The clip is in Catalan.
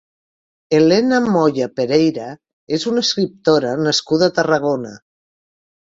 Elena Moya Pereira és una escriptora nascuda a Tarragona.